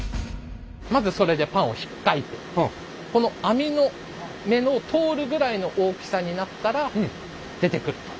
まずそれでパンをひっかいてこの網の目の通るぐらいの大きさになったら出てくると。